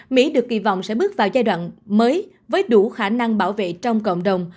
mỹ được kỳ vọng sẽ bước vào giai đoạn mới với đủ khả năng bảo vệ trong cộng đồng